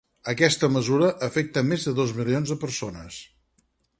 Aquesta mesura afecta més de dos milions de persones.